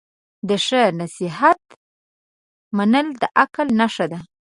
د ښه نصیحت منل د عقل نښه ده.